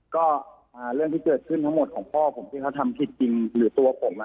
ก็เรื่องที่เกิดขึ้นทั้งหมดของพ่อผมที่เขาทำผิดจริงหรือตัวผม